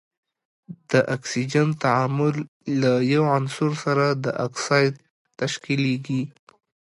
د اکسیجن تعامل له یو عنصر سره اکساید تشکیلیږي.